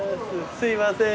すいません。